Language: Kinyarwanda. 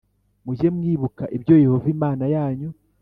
Mujye mwibuka ibyo yehova imana yanyu